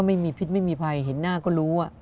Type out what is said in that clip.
ไม่มีพิษไม่มีภัยเห็นหน้าก็รู้